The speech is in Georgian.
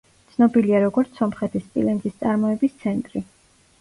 ცნობილია როგორც სომხეთის სპილენძის წარმოების ცენტრი.